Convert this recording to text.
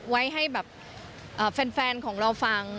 ไว้ให้แบบแฟนของเราฟัง